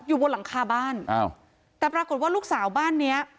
อยู่บนหลังคาบ้านอ้าวแต่ปรากฏว่าลูกสาวบ้านเนี้ย